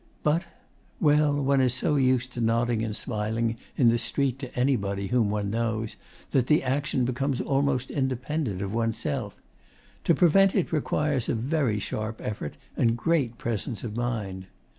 But well, one is so used to nodding and smiling in the street to anybody whom one knows that the action becomes almost independent of oneself: to prevent it requires a very sharp effort and great presence of mind.